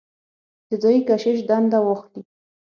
د ځايي کشیش دنده واخلي.